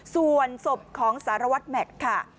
ส่วนศพของสารวัตรแม็กซ์ค่ะ